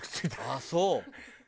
ああそう！